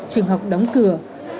trường học đóng cửa